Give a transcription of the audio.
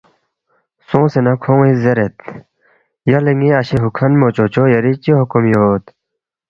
سونگسے نہ کھون٘ی سی زیرید، یلے ن٘ی اشے ہُوکھنمو چوچو یری چِہ حکم یود ؟